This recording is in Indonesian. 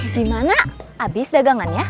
di mana abis dagangannya